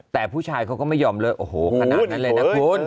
แต่ผู้ชายเขาก็ไม่ยอมเลิกโอ้โหขนาดนั้นเลยนะคุณ